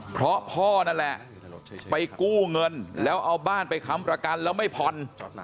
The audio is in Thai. เพราะพ่อนั่นแหละไปกู้เงินแล้วเอาบ้านไปค้ำประกันแล้วไม่ผ่อน